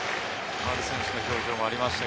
丸選手の表情もありました。